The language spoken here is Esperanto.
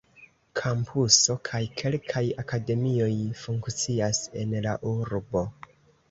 Kampuso kaj kelkaj akademioj funkcias en la urbo.